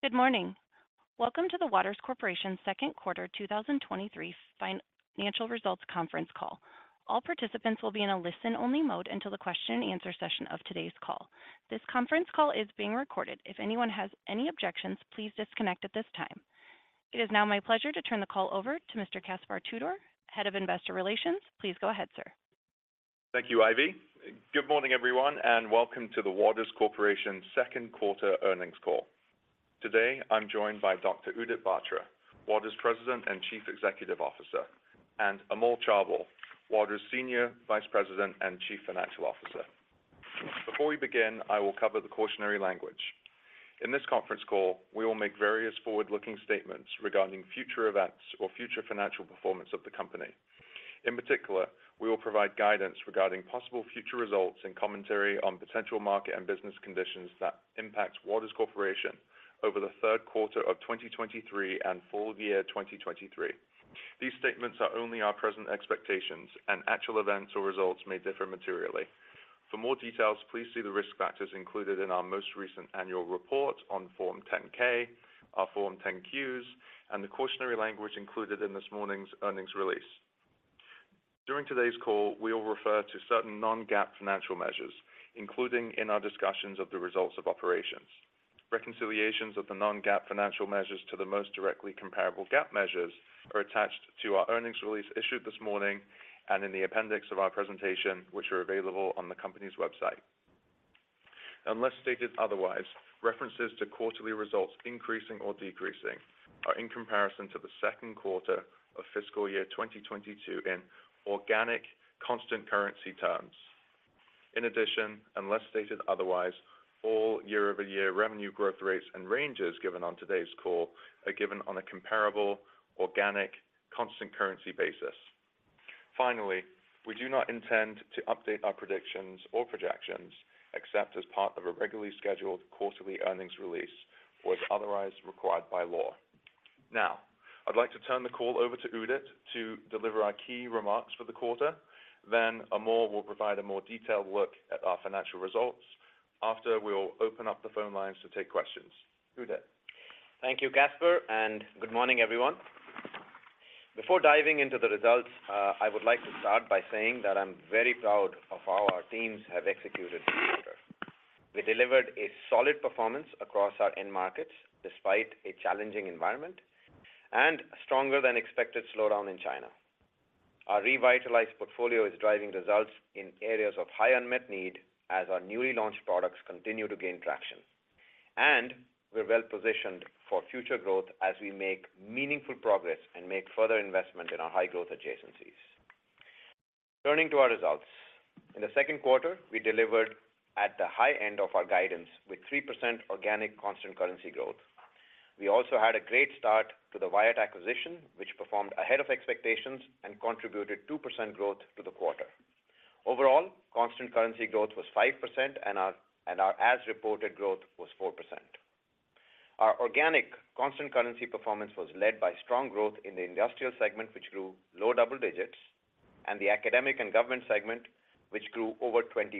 Good morning. Welcome to the Waters Corporation's second quarter 2023 financial results conference call. All participants will be in a listen-only mode until the question-and-answer session of today's call. This conference call is being recorded. If anyone has any objections, please disconnect at this time. It is now my pleasure to turn the call over to Mr. Caspar Tudor, Head of Investor Relations. Please go ahead, sir. Thank you, Ivy. Good morning, everyone, and welcome to the Waters Corporation's second quarter earnings call. Today, I'm joined by Dr. Udit Batra, Waters President and Chief Executive Officer, and Amol Chaubal, Waters Senior Vice President and Chief Financial Officer. Before we begin, I will cover the cautionary language. In this conference call, we will make various forward-looking statements regarding future events or future financial performance of the company. In particular, we will provide guidance regarding possible future results and commentary on potential market and business conditions that impact Waters Corporation over the third quarter of 2023 and full-year 2023. These statements are only our present expectations, and actual events or results may differ materially. For more details, please see the Risk Factors included in our most recent annual report on Form 10-K, our Form 10-Qs, and the cautionary language included in this morning's earnings release. During today's call, we will refer to certain non-GAAP financial measures, including in our discussions of the results of operations. Reconciliations of the non-GAAP financial measures to the most directly comparable GAAP measures are attached to our earnings release issued this morning and in the appendix of our presentation, which are available on the company's website. Unless stated otherwise, references to quarterly results increasing or decreasing are in comparison to the second quarter of fiscal year 2022 in organic constant currency terms. Unless stated otherwise, all year-over-year revenue growth rates and ranges given on today's call are given on a comparable organic, constant currency basis. Finally, we do not intend to update our predictions or projections except as part of a regularly scheduled quarterly earnings release or as otherwise required by law. I'd like to turn the call over to Udit to deliver our key remarks for the quarter, then Amol will provide a more detailed look at our financial results. After, we will open up the phone lines to take questions. Udit? Thank you, Caspar. Good morning, everyone. Before diving into the results, I would like to start by saying that I'm very proud of how our teams have executed this quarter. We delivered a solid performance across our end markets despite a challenging environment and stronger than expected slowdown in China. Our revitalized portfolio is driving results in areas of high unmet need as our newly launched products continue to gain traction. We're well-positioned for future growth as we make meaningful progress and make further investment in our high-growth adjacencies. Turning to our results. In the second quarter, we delivered at the high end of our guidance, with 3% organic constant currency growth. We also had a great start to the Wyatt acquisition, which performed ahead of expectations and contributed 2% growth to the quarter. Overall, constant currency growth was 5%, and our as-reported growth was 4%. Our organic constant currency performance was led by strong growth in the Industrial segment, which grew low double digits, and the Academic and Government segment, which grew over 20%.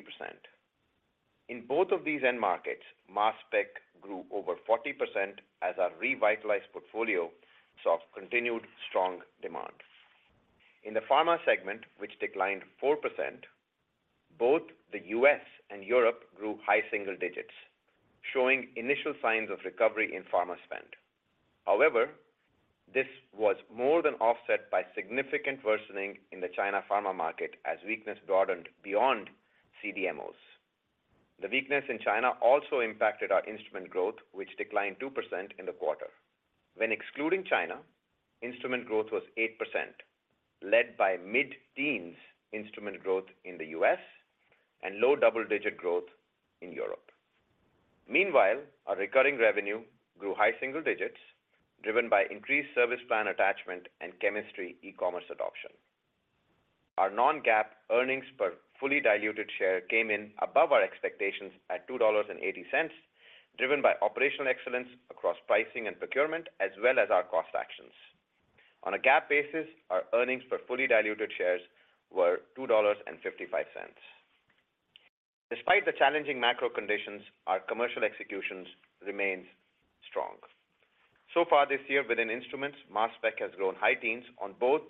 In both of these end markets, mass spec grew over 40% as our revitalized portfolio saw continued strong demand. In the pharma segment, which declined 4%, both the U.S. and Europe grew high single digits, showing initial signs of recovery in pharma spend. This was more than offset by significant worsening in the China pharma market as weakness broadened beyond CDMOs. The weakness in China also impacted our instrument growth, which declined 2% in the quarter. When excluding China, instrument growth was 8%, led by mid-teens instrument growth in the U.S. and low double-digit growth in Europe. Meanwhile, our recurring revenue grew high single digits, driven by increased service plan attachment and chemistry e-commerce adoption. Our non-GAAP earnings per fully diluted share came in above our expectations at $2.80, driven by operational excellence across pricing and procurement, as well as our cost actions. On a GAAP basis, our earnings per fully diluted shares were $2.55. Despite the challenging macro conditions, our commercial executions remains strong. Far this year within instruments, mass spec has grown high teens on both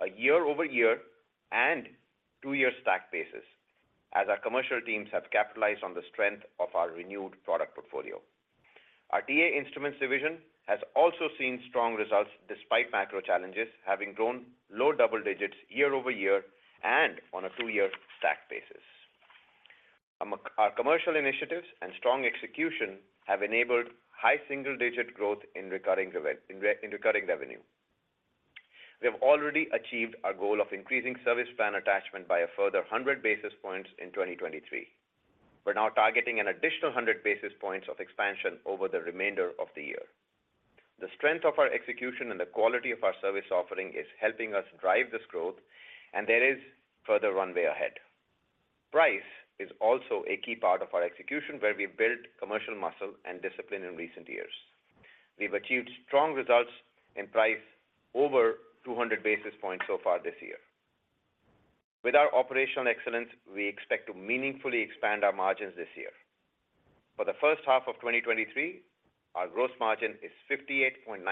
a year-over-year and two-year stack basis, as our commercial teams have capitalized on the strength of our renewed product portfolio. Our DA Instruments division has also seen strong results despite macro challenges, having grown low double digits year-over-year and on a two-year stack basis. Our commercial initiatives and strong execution have enabled high single-digit growth in recurring revenue. We have already achieved our goal of increasing service plan attachment by a further 100 basis points in 2023. We're now targeting an additional 100 basis points of expansion over the remainder of the year. The strength of our execution and the quality of our service offering is helping us drive this growth, and there is further runway ahead. Price is also a key part of our execution, where we've built commercial muscle and discipline in recent years. We've achieved strong results in price over 200 basis points so far this year. With our operational excellence, we expect to meaningfully expand our margins this year. For the first half of 2023, our gross margin is 58.9%,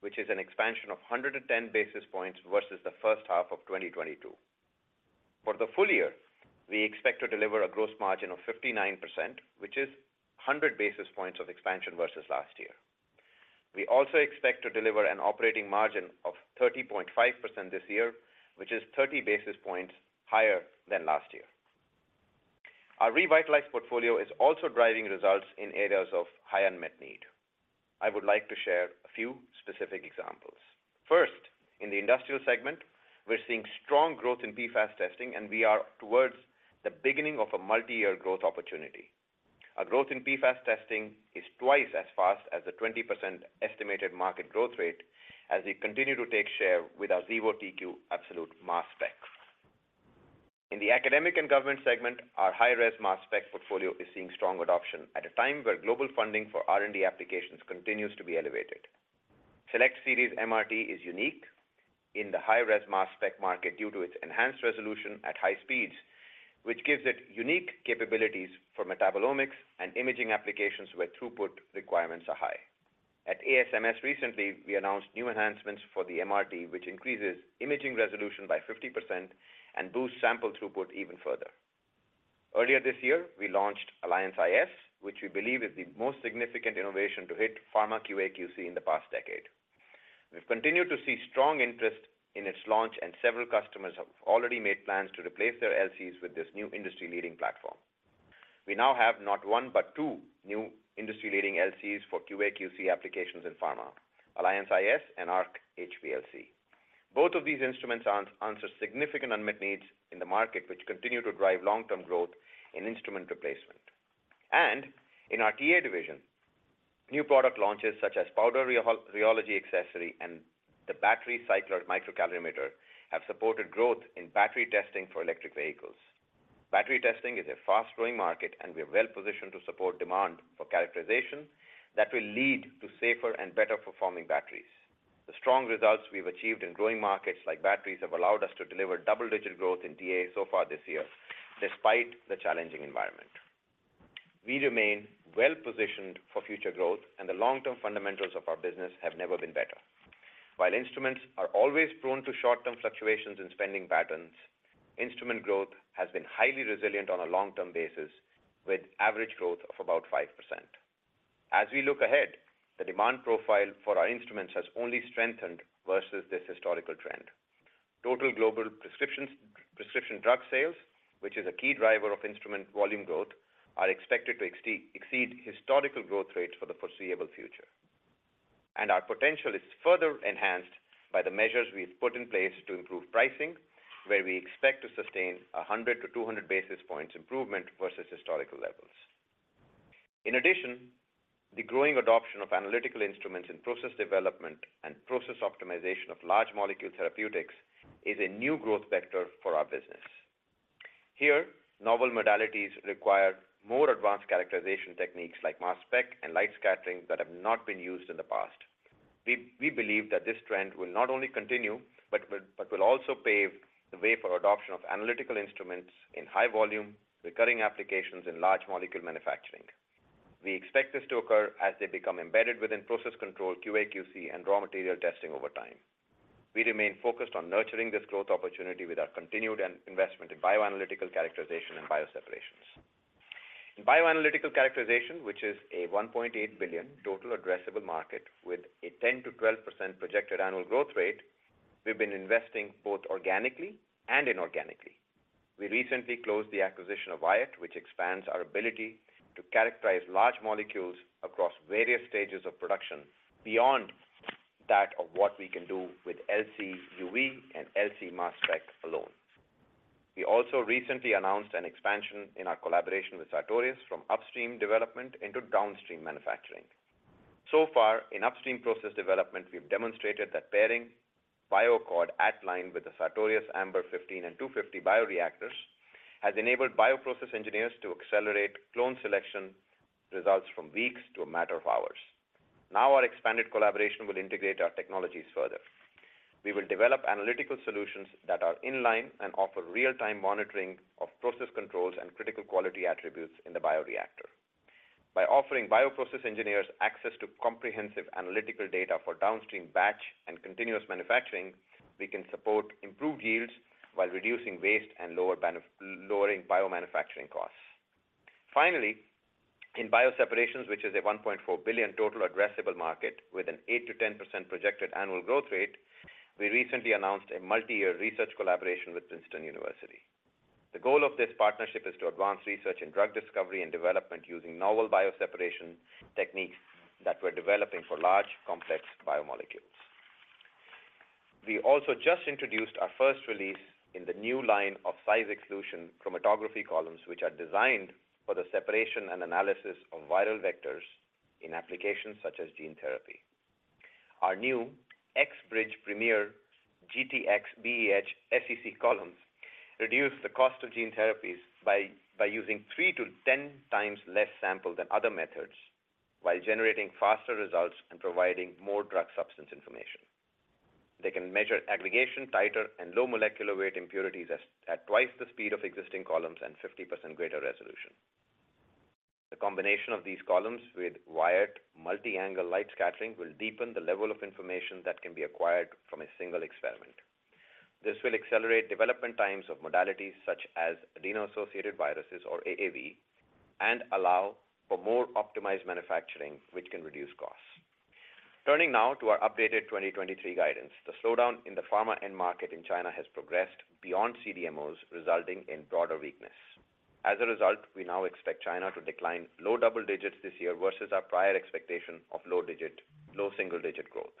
which is an expansion of 110 basis points versus the first half of 2022. For the full year, we expect to deliver a gross margin of 59%, which is 100 basis points of expansion versus last year. We also expect to deliver an operating margin of 30.5% this year, which is 30 basis points higher than last year. Our revitalized portfolio is also driving results in areas of high unmet need. I would like to share a few specific examples. First, in the Industrial segment, we're seeing strong growth in PFAS testing, we are towards the beginning of a multi-year growth opportunity. Our growth in PFAS testing is twice as fast as the 20% estimated market growth rate as we continue to take share with our Xevo TQ Absolute mass spec. In the Academic and Government segment, our high-res mass spec portfolio is seeing strong adoption at a time where global funding for R&D applications continues to be elevated. SELECT SERIES MRT is unique in the high-res mass spec market due to its enhanced resolution at high speeds, which gives it unique capabilities for metabolomics and imaging applications where throughput requirements are high. At ASMS recently, we announced new enhancements for the MRT, which increases imaging resolution by 50% and boosts sample throughput even further. Earlier this year, we launched Alliance iS, which we believe is the most significant innovation to hit pharma QA/QC in the past decade. We've continued to see strong interest in its launch, and several customers have already made plans to replace their LCs with this new industry-leading platform. We now have not one, but two new industry-leading LCs for QA/QC applications in pharma, Alliance iS and Arc HPLC. Both of these instruments answer significant unmet needs in the market, which continue to drive long-term growth in instrument replacement. In our TA division, new product launches such as Powder Rheology Accessory and the Battery Cycler Microcalorimeter, have supported growth in battery testing for electric vehicles. Battery testing is a fast-growing market, and we are well positioned to support demand for characterization that will lead to safer and better-performing batteries. The strong results we've achieved in growing markets like batteries, have allowed us to deliver double-digit growth in TA so far this year, despite the challenging environment. We remain well positioned for future growth, and the long-term fundamentals of our business have never been better. While instruments are always prone to short-term fluctuations in spending patterns, instrument growth has been highly resilient on a long-term basis, with average growth of about 5%. As we look ahead, the demand profile for our instruments has only strengthened versus this historical trend. Total global prescriptions, prescription drug sales, which is a key driver of instrument volume growth, are expected to exceed historical growth rates for the foreseeable future. Our potential is further enhanced by the measures we've put in place to improve pricing, where we expect to sustain 100-200 basis points improvement versus historical levels. In addition, the growing adoption of analytical instruments in process development and process optimization of large molecule therapeutics is a new growth vector for our business. Here, novel modalities require more advanced characterization techniques like mass spec and light scattering, that have not been used in the past. We believe that this trend will not only continue, but will also pave the way for adoption of analytical instruments in high volume, recurring applications in large molecule manufacturing. We expect this to occur as they become embedded within process control, QA/QC, and raw material testing over time. We remain focused on nurturing this growth opportunity with our continued investment in bioanalytical characterization and bioseparations. In bioanalytical characterization, which is a $1.8 billion total addressable market with a 10%-12% projected annual growth rate, we've been investing both organically and inorganically. We recently closed the acquisition of Wyatt, which expands our ability to characterize large molecules across various stages of production, beyond that of what we can do with LC, UV, and LC mass spec alone. We also recently announced an expansion in our collaboration with Sartorius from upstream development into downstream manufacturing. In upstream process development, we've demonstrated that pairing BioAccord At-line with the Sartorius Ambr 15 and 250 bioreactors, has enabled bioprocess engineers to accelerate clone selection results from weeks to a matter of hours. Our expanded collaboration will integrate our technologies further. We will develop analytical solutions that are in line and offer real-time monitoring of process controls and critical quality attributes in the bioreactor. By offering bioprocess engineers access to comprehensive analytical data for downstream batch and continuous manufacturing, we can support improved yields while reducing waste and lowering biomanufacturing costs. Finally, in bioseparations, which is a $1.4 billion total addressable market with an 8%-10% projected annual growth rate, we recently announced a multi-year research collaboration with Princeton University. The goal of this partnership is to advance research in drug discovery and development using novel bioseparation techniques that we're developing for large, complex biomolecules. We also just introduced our first release in the new line of size exclusion chromatography columns, which are designed for the separation and analysis of viral vectors in applications such as gene therapy. Our new XBridge Premier GTxBEH SEC columns reduce the cost of gene therapies by using 3x-10x less sample than other methods while generating faster results and providing more drug substance information. They can measure aggregation, titer, and low molecular weight impurities at 2x the speed of existing columns and 50% greater resolution. The combination of these columns with Wyatt Multi-Angle Light Scattering will deepen the level of information that can be acquired from a single experiment. This will accelerate development times of modalities such as adeno-associated viruses, or AAV, and allow for more optimized manufacturing, which can reduce costs. Turning now to our updated 2023 guidance. The slowdown in the pharma end market in China has progressed beyond CDMOs, resulting in broader weakness. As a result, we now expect China to decline low double digits this year versus our prior expectation of low single-digit growth.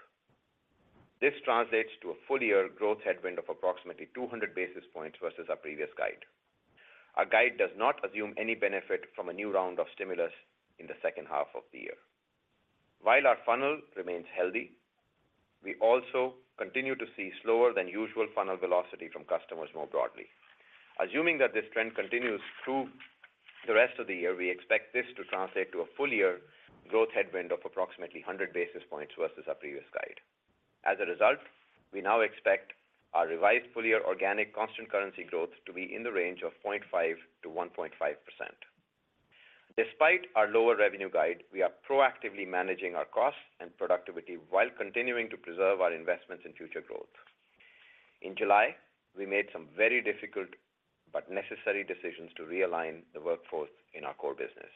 This translates to a full-year growth headwind of approximately 200 basis points versus our previous guide. Our guide does not assume any benefit from a new round of stimulus in the second half of the year. While our funnel remains healthy, we also continue to see slower than usual funnel velocity from customers more broadly. Assuming that this trend continues through the rest of the year, we expect this to translate to a full-year growth headwind of approximately 100 basis points versus our previous guide. As a result, we now expect our revised full-year organic constant currency growth to be in the range of 0.5%-1.5%. Despite our lower revenue guide, we are proactively managing our costs and productivity while continuing to preserve our investments in future growth. In July, we made some very difficult but necessary decisions to realign the workforce in our core business,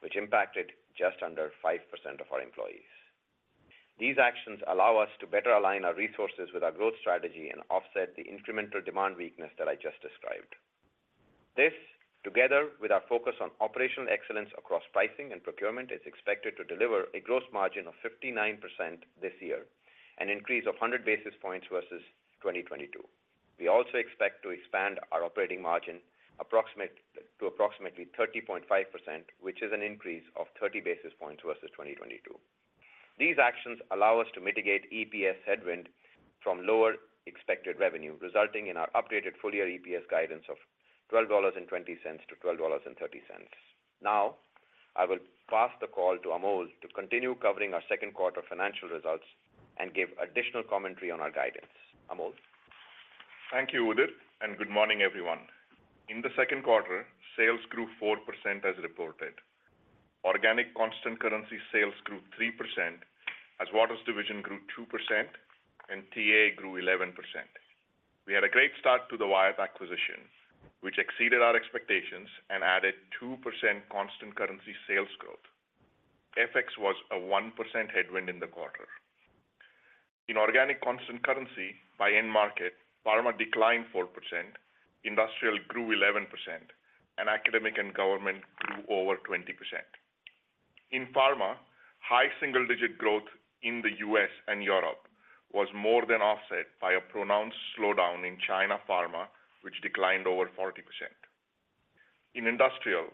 which impacted just under 5% of our employees. These actions allow us to better align our resources with our growth strategy and offset the incremental demand weakness that I just described. This, together with our focus on operational excellence across pricing and procurement, is expected to deliver a gross margin of 59% this year, an increase of 100 basis points versus 2022. We also expect to expand our operating margin to approximately 30.5%, which is an increase of 30 basis points versus 2022. These actions allow us to mitigate EPS headwind from lower expected revenue, resulting in our updated full-year EPS guidance of $12.20-$12.30. I will pass the call to Amol to continue covering our second quarter financial results and give additional commentary on our guidance. Amol? Thank you, Udit. Good morning, everyone. In the second quarter, sales grew 4% as reported. Organic constant currency sales grew 3%, as Waters Division grew 2% and TA grew 11%. We had a great start to the Wyatt acquisition, which exceeded our expectations and added 2% constant currency sales growth. FX was a 1% headwind in the quarter. In organic constant currency by end market, pharma declined 4%, Industrial grew 11%, and Academic and Government grew over 20%. In pharma, high single-digit growth in the U.S. and Europe was more than offset by a pronounced slowdown in China pharma, which declined over 40%. In industrial,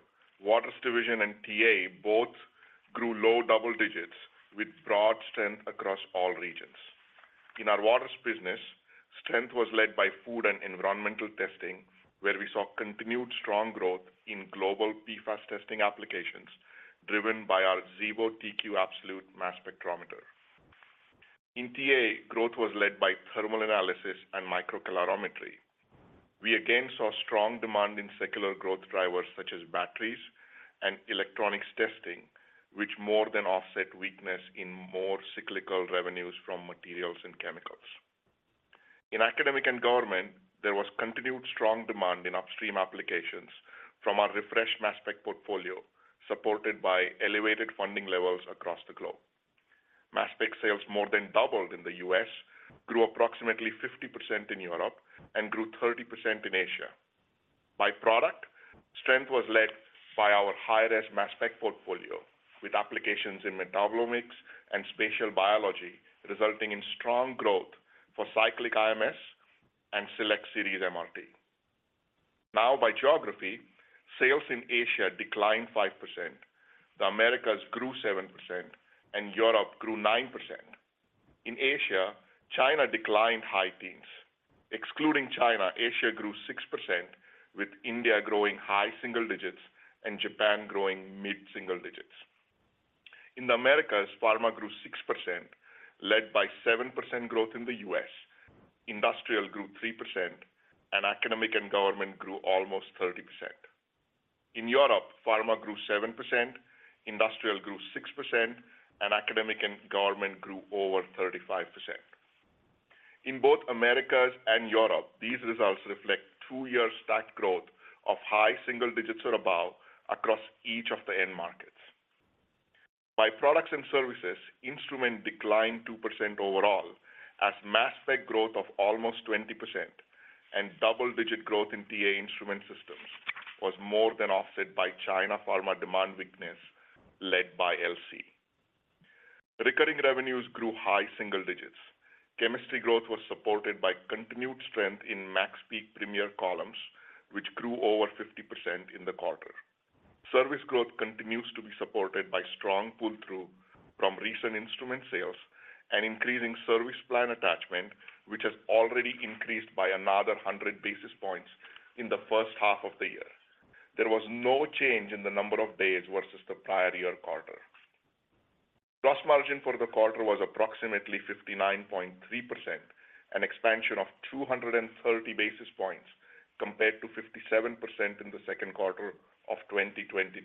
Waters Division and TA both grew low double digits with broad strength across all regions. In our Waters business, strength was led by food and environmental testing, where we saw continued strong growth in global PFAS testing applications, driven by our Xevo TQ Absolute mass spectrometer. In TA, growth was led by thermal analysis and microcalorimetry. We again saw strong demand in secular growth drivers such as batteries and electronics testing, which more than offset weakness in more cyclical revenues from materials and chemicals. In Academic and Government, there was continued strong demand in upstream applications from our refreshed mass spec portfolio, supported by elevated funding levels across the globe. Mass spec sales more than doubled in the U.S., grew approximately 50% in Europe, and grew 30% in Asia. By product, strength was led by our high-res mass spec portfolio, with applications in metabolomics and spatial biology, resulting in strong growth for cyclic IMS and SELECT SERIES MRT. Now, by geography, sales in Asia declined 5%, the Americas grew 7%, and Europe grew 9%. In Asia, China declined high teens. Excluding China, Asia grew 6%, with India growing high-single-digits and Japan growing mid-single digits. In the Americas, pharma grew 6%, led by 7% growth in the U.S., industrial grew 3%, and Academic and Government grew almost 30%. In Europe, pharma grew 7%, Industrial grew 6%, and Academic and Government grew over 35%. In both Americas and Europe, these results reflect 2 years stacked growth of high single-digits or above across each of the end markets. By products and services, instrument declined 2% overall, as mass spec growth of almost 20% and double-digit growth in TA instrument systems was more than offset by China pharma demand weakness, led by LC. Recurring revenues grew high single-digits. Chemistry growth was supported by continued strength in MaxPeak Premier columns, which grew over 50% in the quarter. Service growth continues to be supported by strong pull-through from recent instrument sales and increasing service plan attachment, which has already increased by another 100 basis points in the first half of the year. There was no change in the number of days versus the prior year quarter. Gross margin for the quarter was approximately 59.3%, an expansion of 230 basis points compared to 57% in the second quarter of 2022.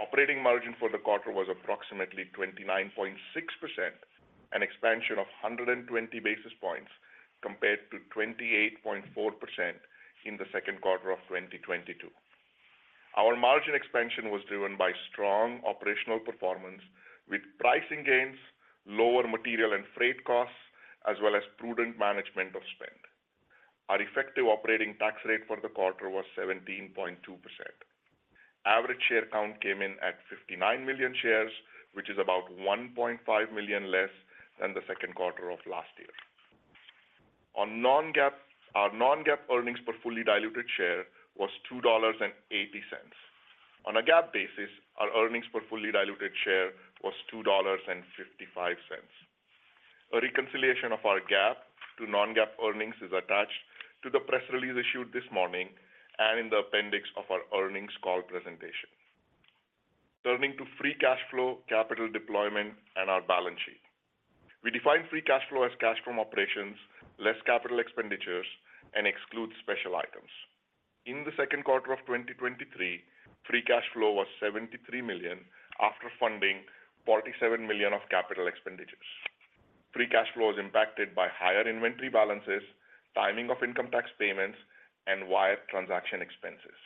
Operating margin for the quarter was approximately 29.6%, an expansion of 120 basis points compared to 28.4% in the second quarter of 2022. Our margin expansion was driven by strong operational performance with pricing gains, lower material and freight costs, as well as prudent management of spend. Our effective operating tax rate for the quarter was 17.2%. Average share count came in at 59 million shares, which is about 1.5 million less than the second quarter of last year. Our non-GAAP earnings per fully diluted share was $2.80. On a GAAP basis, our earnings per fully diluted share was $2.55. A reconciliation of our GAAP to non-GAAP earnings is attached to the press release issued this morning and in the appendix of our earnings call presentation. Turning to free cash flow, capital deployment, and our balance sheet. We define free cash flow as cash from operations, less capital expenditures, and excludes special items. In the second quarter of 2023, free cash flow was $73 million, after funding $47 million of capital expenditures. Free cash flow is impacted by higher inventory balances, timing of income tax payments, and Wyatt transaction expenses.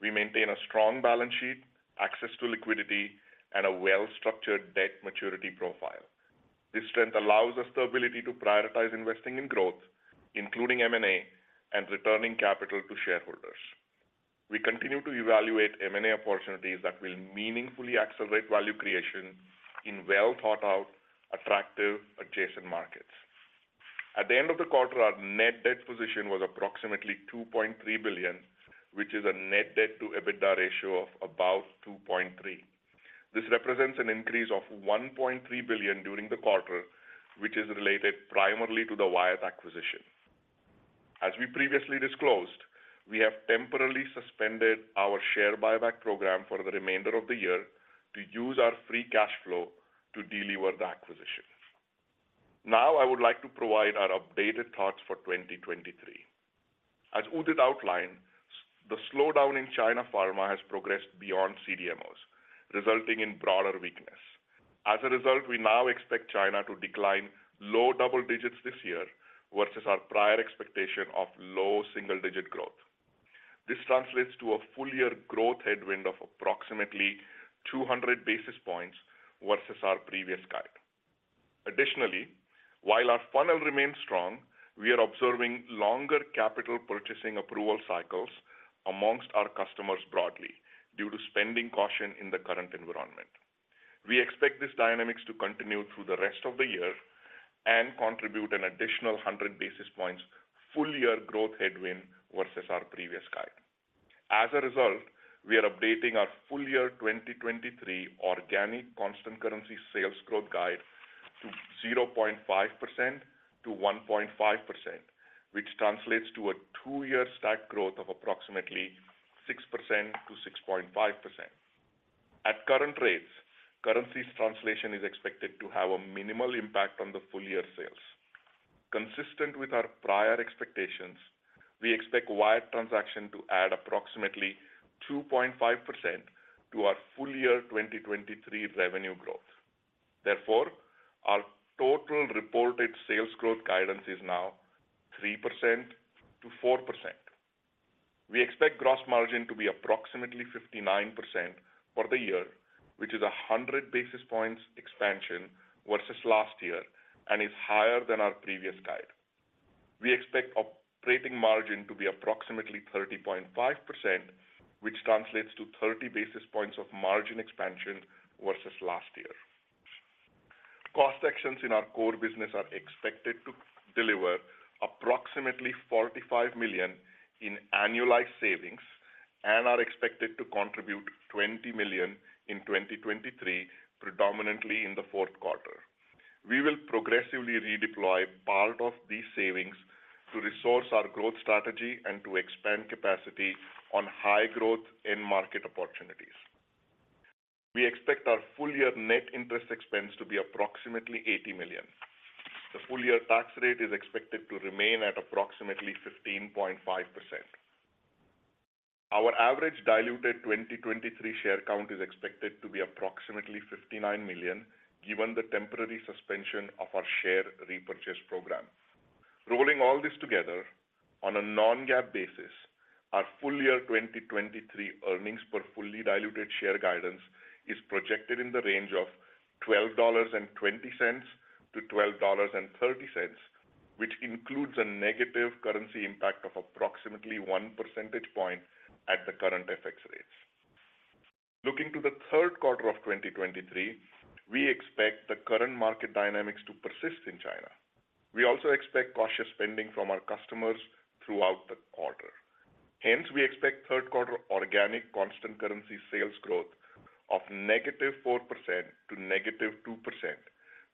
We maintain a strong balance sheet, access to liquidity, and a well-structured debt maturity profile. This strength allows us the ability to prioritize investing in growth, including M&A, and returning capital to shareholders. We continue to evaluate M&A opportunities that will meaningfully accelerate value creation in well-thought-out, attractive, adjacent markets. At the end of the quarter, our net debt position was approximately $2.3 billion, which is a net debt to EBITDA ratio of about $2.3 billion. This represents an increase of $1.3 billion during the quarter, which is related primarily to the Wyatt acquisition. As we previously disclosed, we have temporarily suspended our share buyback program for the remainder of the year to use our free cash flow to deliver the acquisition. I would like to provide our updated thoughts for 2023. As Udit outlined, the slowdown in China pharma has progressed beyond CDMOs, resulting in broader weakness. We now expect China to decline low double-digits this year versus our prior expectation of low single-digit growth. This translates to a full-year growth headwind of approximately 200 basis points versus our previous guide. While our funnel remains strong, we are observing longer capital purchasing approval cycles amongst our customers broadly due to spending caution in the current environment. We expect these dynamics to continue through the rest of the year and contribute an additional 100 basis points full-year growth headwind versus our previous guide. As a result, we are updating our full-year 2023 organic constant currency sales growth guide to 0.5%-1.5%, which translates to a 2-year stack growth of approximately 6%-6.5%. At current rates, currency translation is expected to have a minimal impact on the full-year sales. Consistent with our prior expectations, we expect Wyatt transaction to add approximately 2.5% to our full-year 2023 revenue growth. Therefore, our total reported sales growth guidance is now 3%-4%. We expect gross margin to be approximately 59% for the year, which is 100 basis points expansion versus last year and is higher than our previous guide. We expect operating margin to be approximately 30.5%, which translates to 30 basis points of margin expansion versus last year. Cost actions in our core business are expected to deliver approximately $45 million in annualized savings and are expected to contribute $20 million in 2023, predominantly in the fourth quarter. We will progressively redeploy part of these savings to resource our growth strategy and to expand capacity on high growth end market opportunities. We expect our full-year net interest expense to be approximately $80 million. The full-year tax rate is expected to remain at approximately 15.5%. Our average diluted 2023 share count is expected to be approximately 59 million, given the temporary suspension of our share repurchase program. Rolling all this together, on a non-GAAP basis, our full-year 2023 earnings per fully diluted share guidance is projected in the range of $12.20-$12.30, which includes a negative currency impact of approximately 1% point at the current FX rates. Looking to the third quarter of 2023, we expect the current market dynamics to persist in China. We also expect cautious spending from our customers throughout the quarter. We expect third quarter organic constant currency sales growth of -4% to -2%,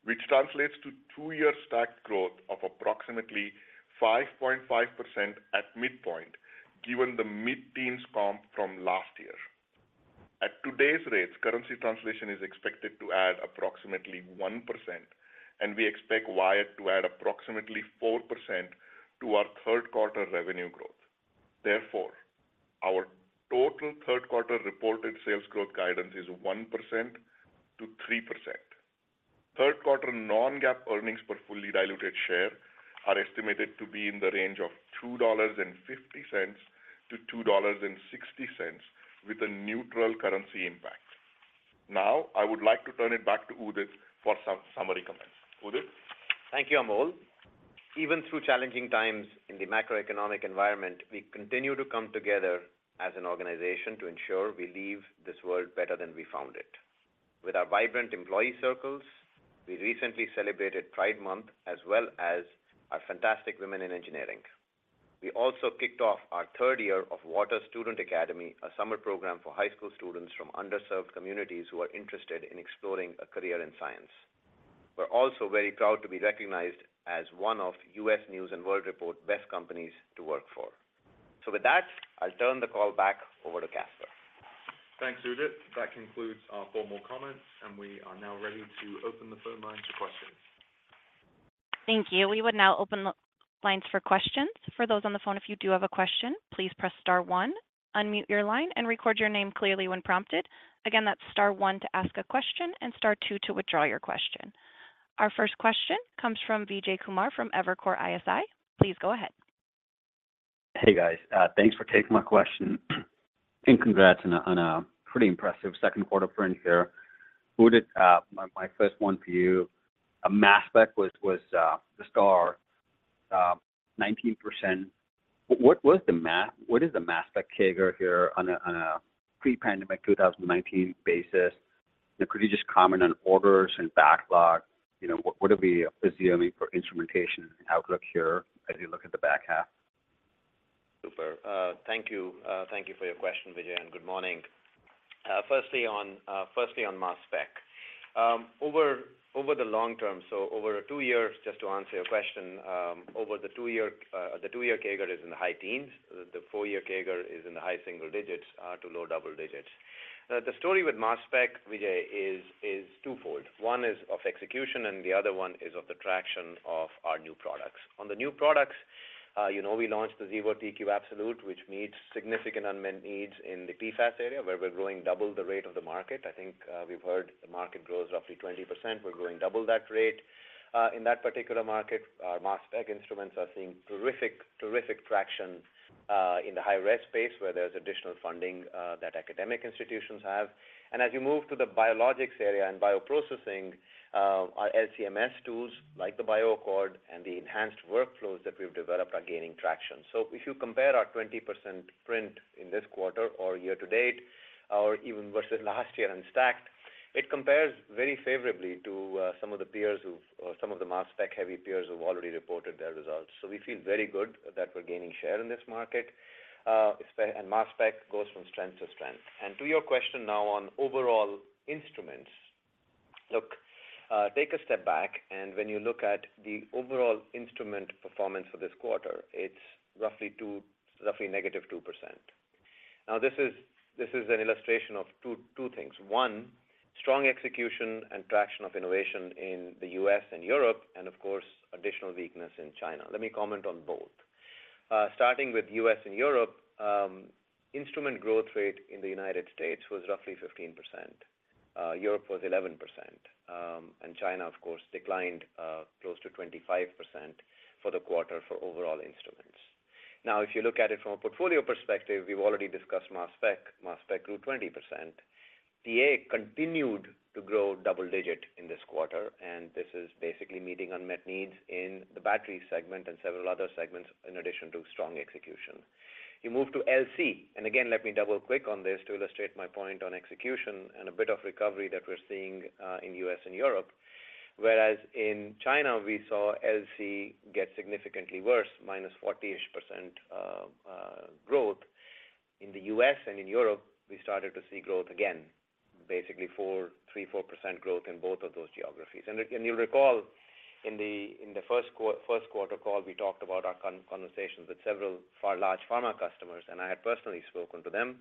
which translates to 2-year stack growth of approximately 5.5% at midpoint, given the mid-teens comp from last year. At today's rates, currency translation is expected to add approximately 1%, and we expect Wyatt to add approximately 4% to our third quarter revenue growth. Therefore, our total third quarter reported sales growth guidance is 1%-3%. Third quarter non-GAAP earnings per fully diluted share are estimated to be in the range of $2.50-$2.60, with a neutral currency impact. Now, I would like to turn it back to Udit for some summary comments. Udit? Thank you, Amol. Even through challenging times in the macroeconomic environment, we continue to come together as an organization to ensure we leave this world better than we found it. With our vibrant employee circles, we recently celebrated Pride Month, as well as our fantastic women in engineering. We also kicked off our third year of Waters Student Academy, a summer program for high school students from underserved communities who are interested in exploring a career in science. We're also very proud to be recognized as one of U.S. News & World Report best companies to work for. With that, I'll turn the call back over to Caspar. Thanks, Udit. That concludes our formal comments, and we are now ready to open the phone line to questions. Thank you. We would now open the lines for questions. For those on the phone, if you do have a question, please press Star one, unmute your line and record your name clearly when prompted. Again, that's Star one to ask a question and Star two to withdraw your question. Our first question comes from Vijay Kumar from Evercore ISI. Please go ahead. Hey, guys. Thanks for taking my question, congrats on a pretty impressive second quarter print here. Udit, my first one for you. A mass spec was the star, 19%. What is the mass spec CAGR here on a pre-pandemic 2019 basis? Could you just comment on orders and backlog? You know, what are we assuming for instrumentation and outlook here as you look at the back half? Super. Thank you. Thank you for your question, Vijay, good morning. Firstly on, firstly on mass spec. Over, over the long-term, so over 2 years, just to answer your question, over the 2-year CAGR is in the high teens. The 4-year CAGR is in the high single digits to low double-digits. The story with mass spec, Vijay, is twofold. One is of execution, the other one is of the traction of our new products. On the new products, you know, we launched the Xevo TQ Absolute, which meets significant unmet needs in the PFAS area, where we're growing double the rate of the market. I think, we've heard the market grows roughly 20%. We're growing double that rate in that particular market. Our mass spec instruments are seeing terrific, terrific traction in the high-res space, where there's additional funding that academic institutions have. As you move to the biologics area and bioprocessing, our LC-MS tools, like the BioAccord and the enhanced workflows that we've developed, are gaining traction. If you compare our 20% print in this quarter or year-to-date, or even versus last year unstacked, it compares very favorably to some of the mass spec-heavy peers who've already reported their results. We feel very good that we're gaining share in this market, and mass spec goes from strength to strength. To your question now on overall instruments. Look, take a step back, and when you look at the overall instrument performance for this quarter, it's roughly -2%. This is, this is an illustration of two, two things: one, strong execution and traction of innovation in the U.S. and Europe, and of course, additional weakness in China. Let me comment on both. Starting with US and Europe, instrument growth rate in the United States was roughly 15%, Europe was 11%, and China, of course, declined close to 25% for the quarter for overall instruments. If you look at it from a portfolio perspective, we've already discussed mass spec. Mass spec grew 20%. TA continued to grow double-digit in this quarter, and this is basically meeting unmet needs in the battery segment and several other segments, in addition to strong execution. You move to LC. Again, let me double-click on this to illustrate my point on execution and a bit of recovery that we're seeing in U.S. and Europe. Whereas in China, we saw LC get significantly worse, minus 40%-ish growth. In the U.S. and in Europe, we started to see growth again, basically 3-4% growth in both of those geographies. You'll recall, in the first quarter call, we talked about our conversations with several far large pharma customers, and I had personally spoken to them,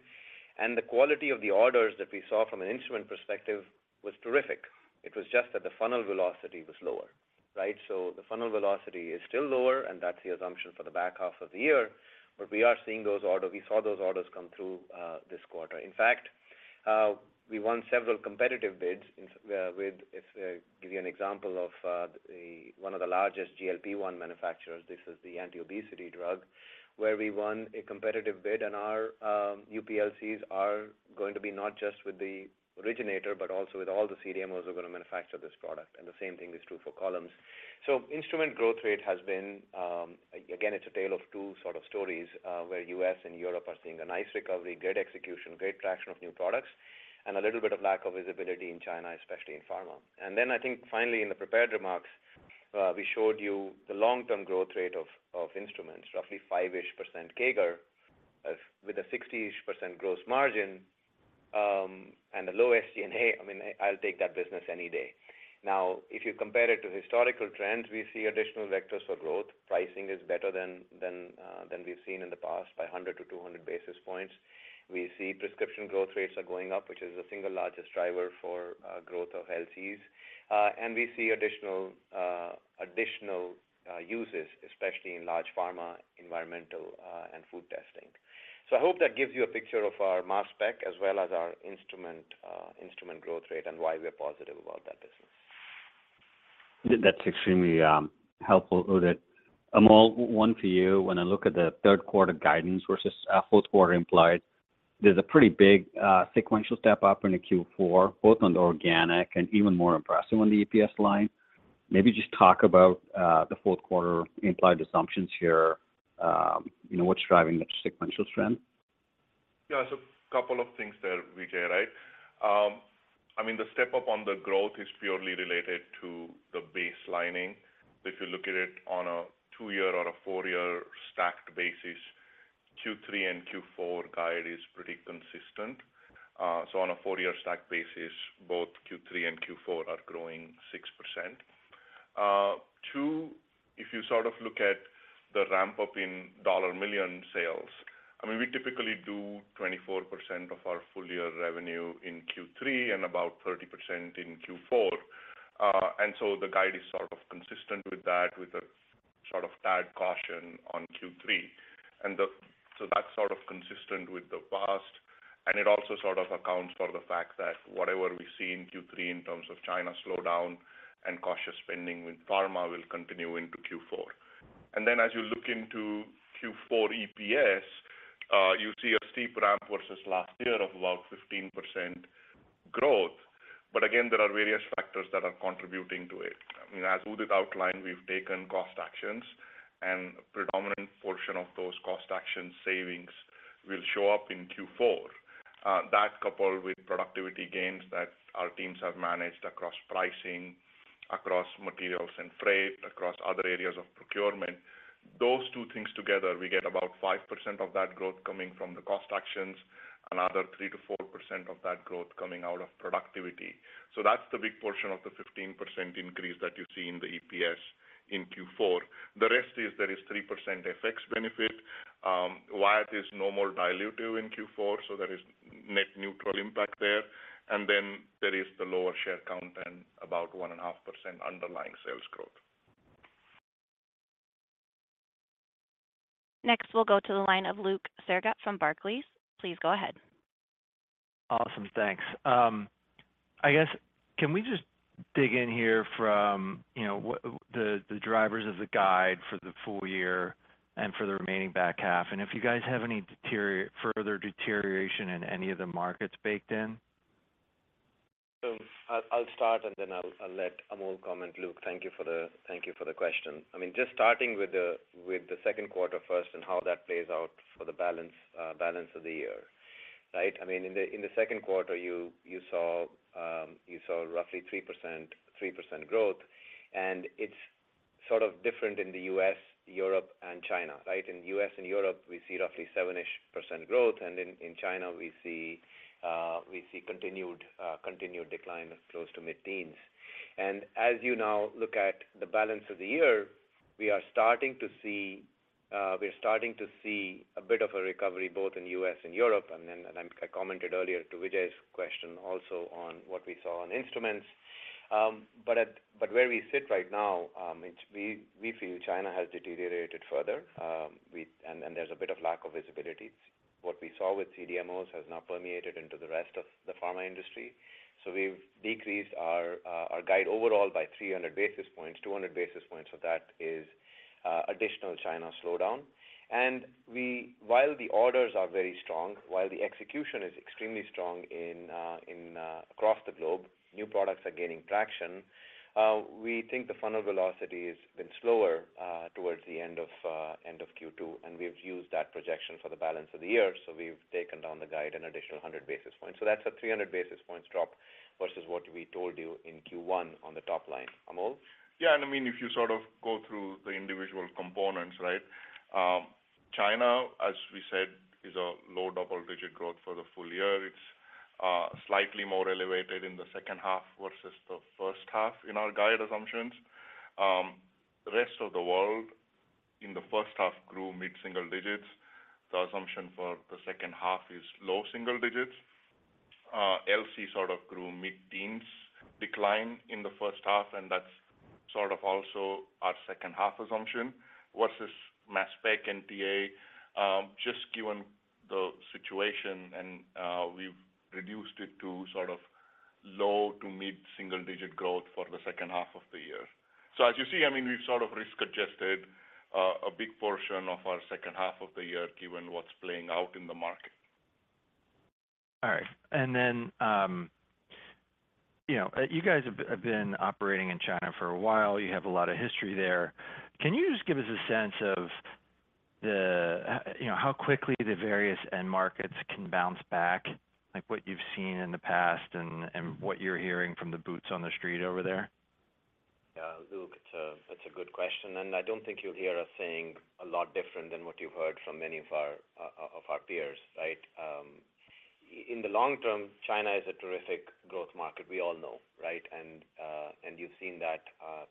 and the quality of the orders that we saw from an instrument perspective was terrific. It was just that the funnel velocity was lower, right? The funnel velocity is still lower, and that's the assumption for the back half of the year, but we saw those orders come through this quarter. In fact, we won several competitive bids, in with give you an example of the one of the largest GLP-1 manufacturers. This is the anti-obesity drug, where we won a competitive bid, and our UPLCs are going to be not just with the originator, but also with all the CDMOs who are going to manufacture this product, and the same thing is true for columns. Instrument growth rate has been again, it's a tale of two sort of stories, where US and Europe are seeing a nice recovery, great execution, great traction of new products, and a little bit of lack of visibility in China, especially in pharma. I think finally, in the prepared remarks, we showed you the long-term growth rate of, of instruments, roughly 5% CAGR, with a 60% gross margin, and a low SG&A, I mean, I'll take that business any day. If you compare it to historical trends, we see additional vectors for growth. Pricing is better than we've seen in the past, by 100-200 basis points. We see prescription growth rates are going up, which is the single largest driver for growth of. We see additional, HPLCs additional uses, especially in large pharma, environmental, and food testing. I hope that gives you a picture of our mass spec, as well as our instrument, instrument growth rate and why we are positive about that business. That's extremely helpful, Udit. Amol, one for you. When I look at the third quarter guidance versus fourth quarter implied, there's a pretty big sequential step up into Q4, both on the organic and even more impressive on the EPS line. Maybe just talk about the fourth quarter implied assumptions here. You know, what's driving the sequential trend? Yeah, couple of things there, Vijay, right. I mean, the step up on the growth is purely related to the baselining. If you look at it on a two-year or a four-year stacked basis, Q3 and Q4 guide is pretty consistent. On a four-year stacked basis, both Q3 and Q4 are growing 6%. Two, if you sort of look at the ramp-up in dollar-million sales, I mean, we typically do 24% of our full year revenue in Q3 and about 30% in Q4. The guide is sort of consistent with that, with a sort of tag caution on Q3. That's sort of consistent with the past, and it also sort of accounts for the fact that whatever we see in Q3 in terms of China slowdown and cautious spending with pharma, will continue into Q4. As you look into Q4 EPS, you see a steep ramp versus last year of about 15% growth. Again, there are various factors that are contributing to it. I mean, as Udit outlined, we've taken cost actions, and a predominant portion of those cost action savings will show up in Q4. That coupled with productivity gains that our teams have managed across pricing, across materials and freight, across other areas of procurement, those two things together, we get about 5% of that growth coming from the cost actions, another 3%-4% of that growth coming out of productivity. That's the big portion of the 15% increase that you see in the EPS in Q4. The rest is, there is 3% FX benefit, Wyatt is normal dilutive in Q4, there is net neutral impact there. Then there is the lower share count and about 1.5% underlying sales growth. We'll go to the line of Luke Sergott from Barclays. Please go ahead. Awesome. Thanks. I guess, can we just dig in here from, you know, the, the drivers of the guide for the full-year and for the remaining back half, if you guys have any further deterioration in any of the markets baked in? I'll, I'll start, and then I'll, I'll let Amol comment. Luke, thank you for the, thank you for the question. I mean, just starting with the, with the second quarter first and how that plays out for the balance, balance of the year, right? I mean, in the, in the second quarter, you, you saw roughly 3%, 3% growth, and it's sort of different in the U.S., Europe, and China, right? In the U.S. and Europe, we see roughly 7-ish% growth, and in, in China we see continued, continued decline of close to mid-teens. As you now look at the balance of the year, we are starting to see, we are starting to see a bit of a recovery, both in U.S. and Europe. I, I commented earlier to Vijay's question also on what we saw on instruments. Where we sit right now, we, we feel China has deteriorated further, and, and there's a bit of lack of visibility. What we saw with CDMOs has now permeated into the rest of the pharma industry. We've decreased our guide overall by 300 basis points, 200 basis points, so that is additional China slowdown. While the orders are very strong, while the execution is extremely strong in across the globe, new products are gaining traction, we think the funnel velocity has been slower towards the end of end of Q2, and we've used that projection for the balance of the year, so we've taken down the guide an additional 100 basis points. That's a 300 basis points drop, versus what we told you in Q1 on the top line. Amol? Yeah, I mean, if you sort of go through the individual components, right? China, as we said, is a low double-digit growth for the full-year. It's slightly more elevated in the second half versus the first half in our guide assumptions. The rest of the world in the first half grew mid single digits. The assumption for the second half is low single digits. LC sort of grew mid-teens decline in the first half, and that's sort of also our second half assumption versus mass spec and TA, just given the situation, and we've reduced it to sort of low to mid-single-digit growth for the second half of the year. As you see, I mean, we've sort of risk-adjusted a big portion of our second half of the year, given what's playing out in the market. All right. Then, you know, you guys have, have been operating in China for a while. You have a lot of history there. Can you just give us a sense of the, you know, how quickly the various end markets can bounce back, like what you've seen in the past and, and what you're hearing from the boots on the street over there? Yeah, Luke, it's a good question, and I don't think you'll hear us saying a lot different than what you've heard from many of our peers, right? In the long-term, China is a terrific growth market. We all know, right? You've seen that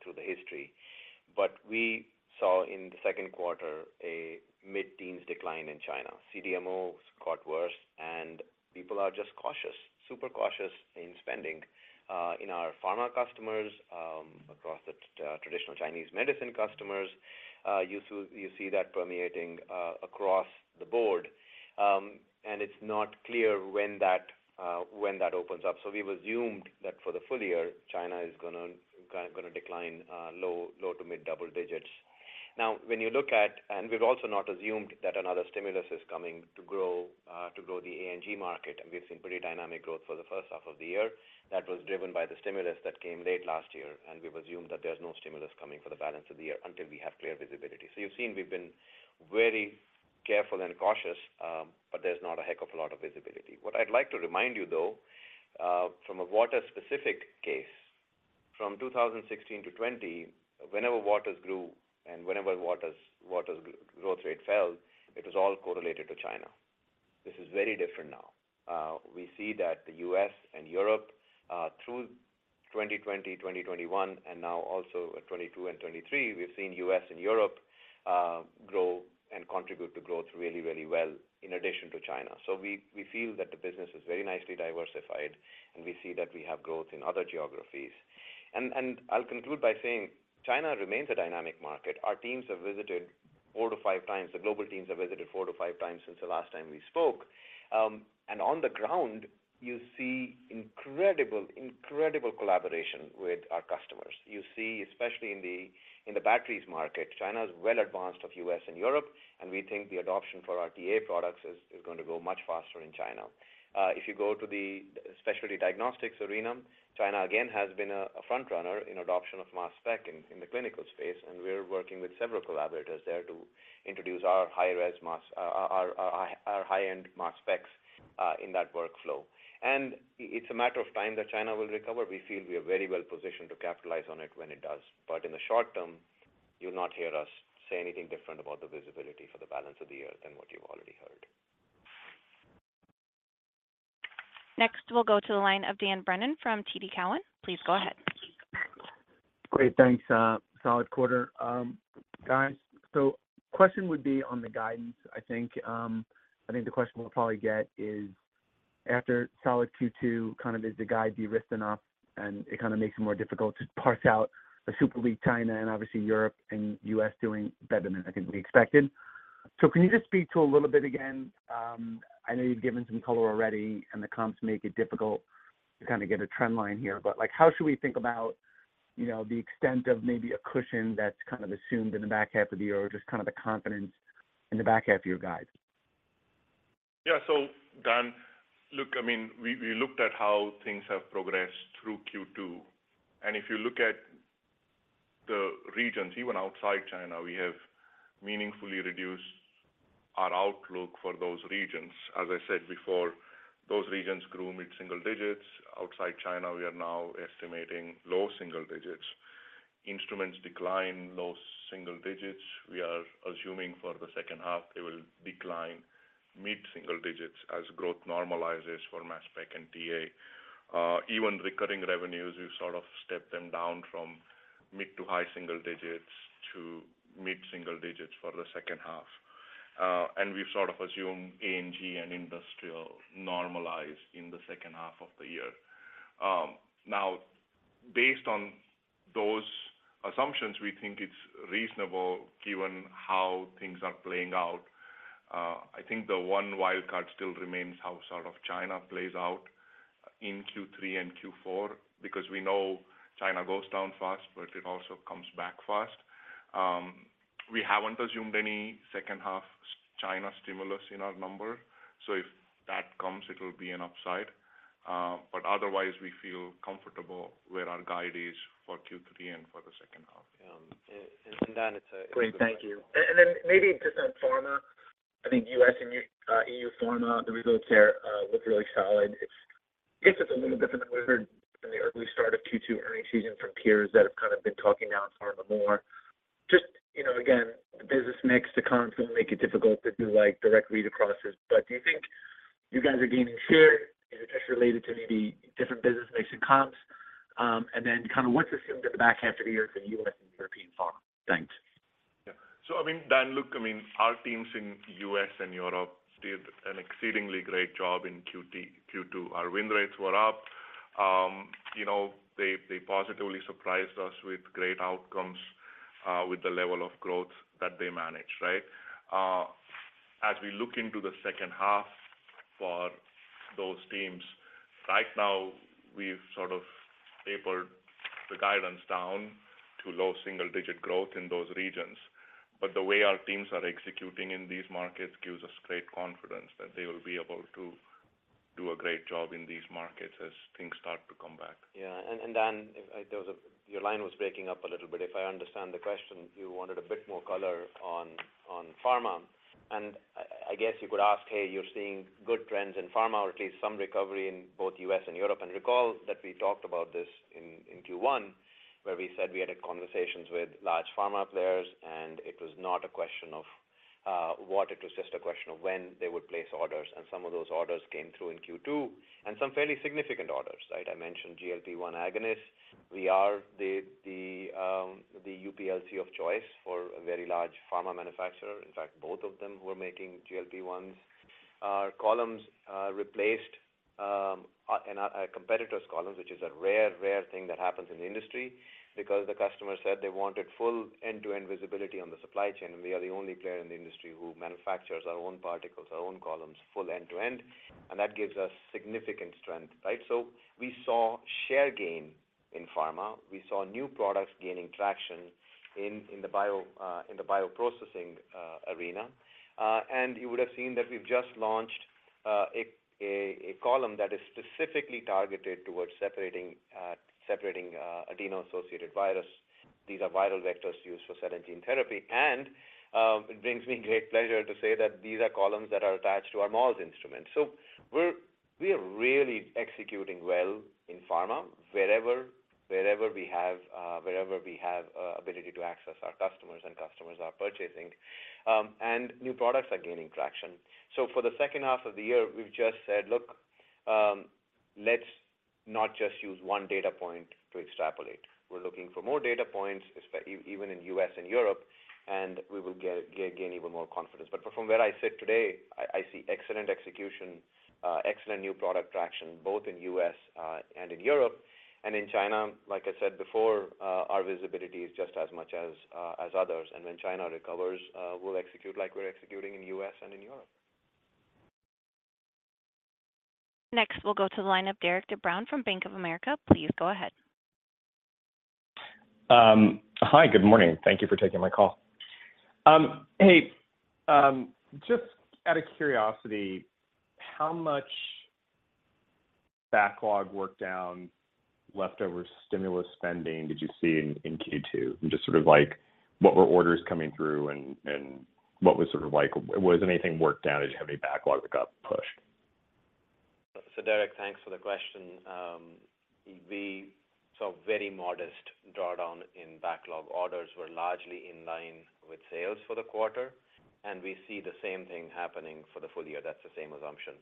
through the history. We saw in the second quarter, a mid-teens decline in China. CDMO got worse, and people are just cautious, super cautious in spending in our pharma customers, across the traditional Chinese medicine customers, you see that permeating across the board. It's not clear when that when that opens up. We've assumed that for the full-year, China is gonna, gonna decline low to mid double digits. When you look at-- we've also not assumed that another stimulus is coming to grow, to grow the ANG market, we've seen pretty dynamic growth for the first half of the year. That was driven by the stimulus that came late last year, we've assumed that there's no stimulus coming for the balance of the year until we have clear visibility. You've seen we've been very careful and cautious, but there's not a heck of a lot of visibility. What I'd like to remind you, though, from a Waters-specific case, from 2016-2020, whenever Waters grew and whenever Waters growth rate fell, it was all correlated to China. This is very different now. We see that the U.S. and Europe, through 2020, 2021, and now also in 2022 and 2023, we've seen U.S. and Europe grow and contribute to growth really, really well, in addition to China. We, we feel that the business is very nicely diversified, and we see that we have growth in other geographies. I'll conclude by saying China remains a dynamic market. Our teams have visited 4x-5x, the global teams have visited 4x-5x since the last time we spoke. On the ground, you see incredible, incredible collaboration with our customers. You see, especially in the, in the batteries market, China is well advanced of U.S. and Europe, and we think the adoption for our TA products is, is going to go much faster in China. If you go to the specialty diagnostics arena, China, again, has been a front runner in adoption of mass spec in the clinical space. We're working with several collaborators there to introduce our high res mass, our high-end mass specs in that workflow. It's a matter of time that China will recover. We feel we are very well positioned to capitalize on it when it does. In the short-term, you'll not hear us say anything different about the visibility for the balance of the year than what you've already heard. Next, we'll go to the line of Dan Brennan from TD Cowen. Please go ahead. Great, thanks. solid quarter. guys, question would be on the guidance. I think, I think the question we'll probably get is, after solid Q2, kind of is the guide derisked enough, and it kind of makes it more difficult to parse out a super league, China and obviously Europe and U.S. doing better than I think we expected. Can you just speak to a little bit again? I know you've given some color already, and the comps make it difficult to kind of get a trend line here, but, like, how should we think about, you know, the extent of maybe a cushion that's kind of assumed in the back half of the year, or just kind of the confidence in the back half of your guide? Yeah, Dan, look, I mean, we, we looked at how things have progressed through Q2, and if you look at the regions, even outside China, we have meaningfully reduced our outlook for those regions. As I said before, those regions grew mid-single digits. Outside China, we are now estimating low single-digits. Instruments declined low single-digits. We are assuming for the second half, they will decline mid-single-digits as growth normalizes for mass spec and DA. Even recurring revenues, we sort of stepped them down from mid- to high-single-digits to mid-single-digits for the second half. We've sort of assumed ANG and industrial normalize in the second half of the year. Now, based on those assumptions, we think it's reasonable, given how things are playing out. I think the one wild card still remains how sort of China plays out in Q3 and Q4, because we know China goes down fast, but it also comes back fast. We haven't assumed any second-half China stimulus in our number, so if that comes, it will be an upside. Otherwise, we feel comfortable where our guide is for Q3 and for the second half. Dan, it's a- Great, thank you. Then maybe just on pharma, I think U.S. and EU pharma, the results there, look really solid. It's, I guess it's a little different than we heard in the early start of Q2 earnings season from peers that have kind of been talking down pharma more. Just, you know, again, the business mix, the comps will make it difficult to do, like, direct read-across this, but do you think you guys are gaining share? Is it just related to maybe different business mix and comps? Then kind of what's assumed at the back half of the year for the U.S. and European pharma? Thanks. Yeah. I mean, Dan, look, I mean, our teams in U.S. and Europe did an exceedingly great job in Q2. Our win rates were up. You know, they, they positively surprised us with great outcomes with the level of growth that they managed, right? As we look into the second half for those teams, right now, we've sort of tapered the guidance down to low single-digit growth in those regions. The way our teams are executing in these markets gives us great confidence that they will be able to do a great job in these markets as things start to come back. Yeah, and Dan, if your line was breaking up a little bit. If I understand the question, you wanted a bit more color on, on pharma, and I, I guess you could ask, hey, you're seeing good trends in pharma, or at least some recovery in both U.S. and Europe. Recall that we talked about this in, in Q1, where we said we had conversations with large pharma players, and it was not a question of what, it was just a question of when they would place orders, and some of those orders came through in Q2, and some fairly significant orders, right? I mentioned GLP-1 agonists. We are the, the UPLC of choice for a very large pharma manufacturer. In fact, both of them were making GLP-1s. Our columns replaced our competitor's columns, which is a rare, rare thing that happens in the industry, because the customer said they wanted full end-to-end visibility on the supply chain. We are the only player in the industry who manufactures our own particles, our own columns, full end to end. That gives us significant strength, right? We saw share gain in pharma. We saw new products gaining traction in the bioprocessing arena. You would have seen that we've just launched a column that is specifically targeted towards separating adeno-associated virus. These are viral vectors used for cell and gene therapy. It brings me great pleasure to say that these are columns that are attached to our MALS instruments. We are really executing well in pharma. Wherever, wherever we have, wherever we have ability to access our customers and customers are purchasing, and new products are gaining traction. For the second half of the year, we've just said: Look, let's not just use one data point to extrapolate. We're looking for more data points, even in U.S. and Europe, and we will gain even more confidence. From where I sit today, I, I see excellent execution, excellent new product traction, both in U.S. and in Europe. In China, like I said before, our visibility is just as much as others. When China recovers, we'll execute like we're executing in U.S. and in Europe. Next, we'll go to the line of Derik De Bruin from Bank of America. Please go ahead. Hi, good morning. Thank you for taking my call. Just out of curiosity, how much backlog work down, leftover stimulus spending did you see in Q2? What were orders coming through and Was anything worked down? Did you have any backlog that got pushed? Derek, thanks for the question. We saw very modest drawdown in backlog. Orders were largely in line with sales for the quarter, and we see the same thing happening for the full-year. That's the same assumption.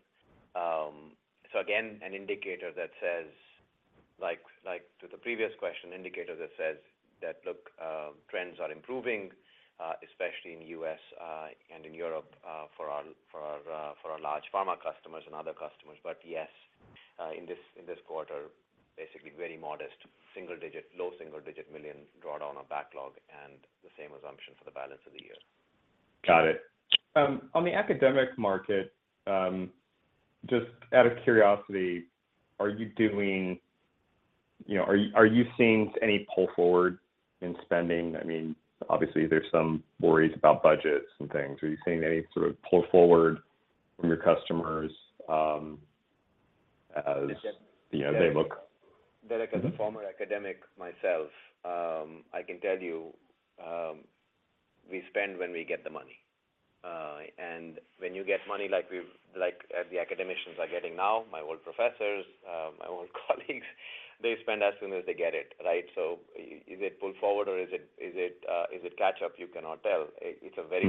Again, an indicator that says, like, like to the previous question, indicator that says that, look, trends are improving, especially in U.S. and in Europe, for our, for our, for our large pharma customers and other customers. Yes, in this, in this quarter, basically very modest, single digit, low single digit million drawdown on backlog and the same assumption for the balance of the year. Got it. On the academic market, just out of curiosity, are you doing... You know, are you seeing any pull forward in spending? I mean, obviously there's some worries about budgets and things. Are you seeing any sort of pull forward from your customers, as, you know, they look- Derek, as a former academic myself, I can tell you, we spend when we get the money. When you get money, like the academicians are getting now, my old professors, my old colleagues, they spend as soon as they get it, right? Is it pull forward or is it, is it, is it catch up? You cannot tell. It's a very.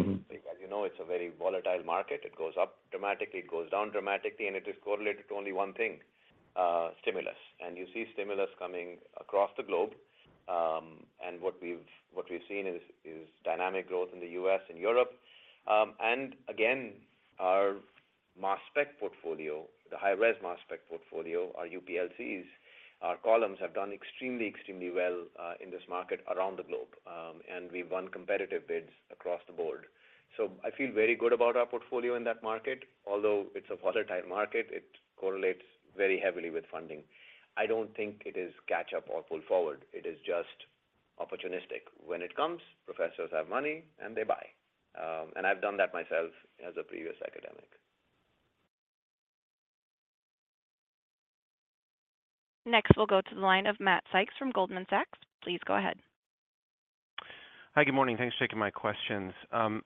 As you know, it's a very volatile market. It goes up dramatically, it goes down dramatically, and it is correlated to only one thing, stimulus. You see stimulus coming across the globe. What we've, what we've seen is, is dynamic growth in the U.S. and Europe. Again, our mass spec portfolio, the high res mass spec portfolio, our UPLCs, our columns have done extremely, extremely well, in this market around the globe. We've won competitive bids across the board. I feel very good about our portfolio in that market. Although it's a volatile market, it correlates very heavily with funding. I don't think it is catch up or pull forward. It is just opportunistic. When it comes, professors have money, and they buy. I've done that myself as a previous academic. Next, we'll go to the line of Matt Sykes from Goldman Sachs. Please go ahead. Hi, good morning. Thanks for taking my questions.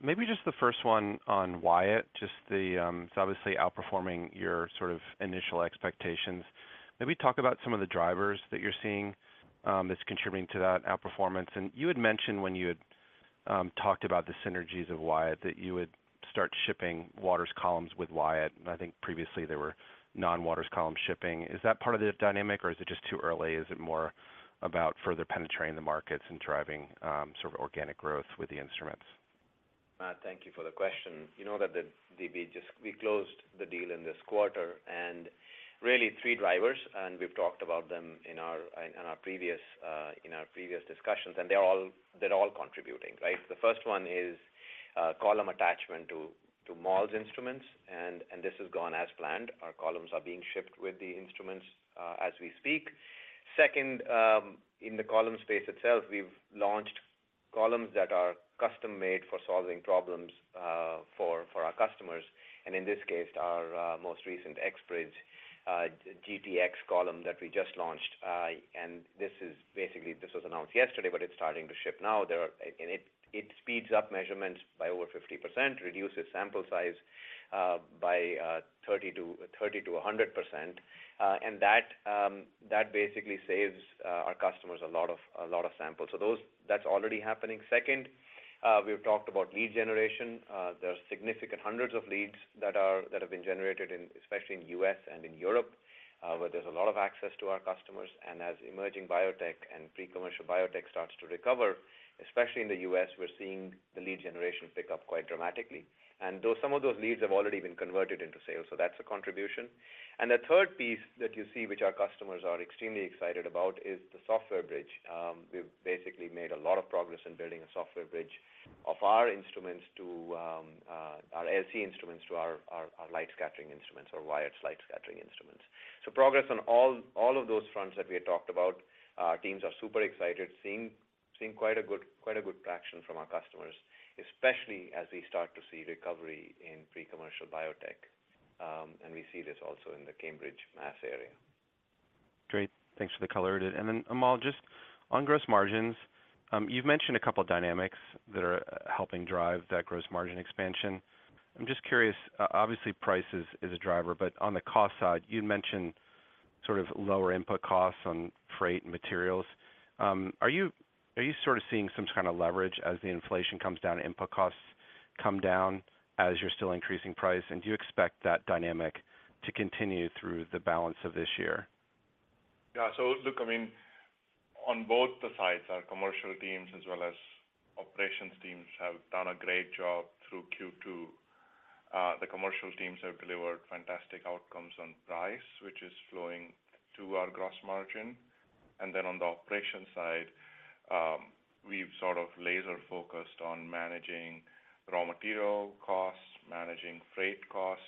Maybe just the first one on Wyatt, just the... It's obviously outperforming your sort of initial expectations. Maybe talk about some of the drivers that you're seeing that's contributing to that outperformance. You had mentioned when you had talked about the synergies of Wyatt, that you would start shipping Waters columns with Wyatt, and I think previously they were non-Waters columns shipping. Is that part of the dynamic, or is it just too early? Is it more about further penetrating the markets and driving sort of organic growth with the instruments? Matt, thank you for the question. You know that we closed the deal in this quarter, and really, 3 drivers, and we've talked about them in our, in, in our previous discussions, and they're all contributing, right? The 1st one is column attachment to MALS instruments, and this has gone as planned. Our columns are being shipped with the instruments as we speak. Second in the column space itself, we've launched columns that are custom-made for solving problems for our customers, and in this case, our most recent XBridge GTx column that we just launched. This is basically, this was announced yesterday, but it's starting to ship now. There are, and it, it speeds up measurements by over 50%, reduces sample size by 30%-100%. And that, that basically saves our customers a lot of samples. That's already happening. Second, we've talked about lead generation. There are significant hundreds of leads that have been generated in, especially in U.S. and in Europe, where there's a lot of access to our customers. As emerging biotech and pre-commercial biotech starts to recover, especially in the U.S., we're seeing the lead generation pick up quite dramatically. Those, some of those leads have already been converted into sales, so that's a contribution. The third piece that you see, which our customers are extremely excited about, is the software bridge. We've basically made a lot of progress in building a software bridge of our instruments to our LC instruments to our, our, our light scattering instruments or Wyatt light scattering instruments. Progress on all, all of those fronts that we had talked about, our teams are super excited, seeing, seeing quite a good, quite a good traction from our customers, especially as we start to see recovery in pre-commercial biotech. We see this also in the Cambridge, Mass area. Great. Thanks for the color. Amol, just on gross margins, you've mentioned a couple of dynamics that are helping drive that gross margin expansion. I'm just curious, obviously, price is, is a driver, but on the cost side, you'd mentioned sort of lower input costs on freight and materials. Are you, are you sort of seeing some kind of leverage as the inflation comes down, input costs come down as you're still increasing price? Do you expect that dynamic to continue through the balance of this year? Yeah. Look, I mean, on both the sides, our commercial teams as well as operations teams, have done a great job through Q2. The commercial teams have delivered fantastic outcomes on price, which is flowing to our gross margin. Then on the operation side, we've sort of laser-focused on managing raw material costs, managing freight costs,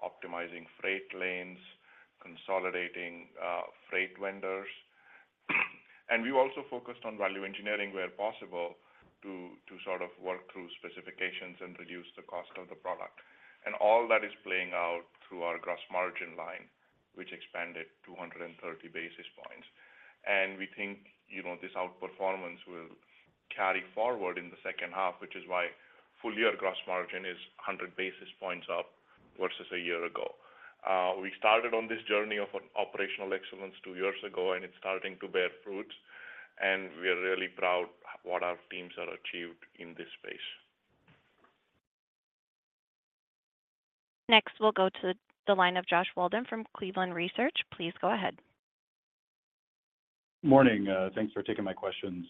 optimizing freight lanes, consolidating freight vendors. We also focused on value engineering, where possible, to, to sort of work through specifications and reduce the cost of the product. All that is playing out through our gross margin line, which expanded 230 basis points. We think, you know, this outperformance will carry forward in the second half, which is why full year gross margin is 100 basis points up versus a year ago. We started on this journey of an operational excellence 2 years ago, and it's starting to bear fruit, and we are really proud what our teams have achieved in this space. Next, we'll go to the line of Josh Waldman from Cleveland Research. Please go ahead. Morning. Thanks for taking my questions.